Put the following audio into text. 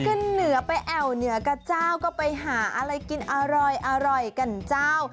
ขึ้นเหนือไปแอวเหนือกับเจ้าก็ไปหาอะไรกินอร่อยกันเจ้า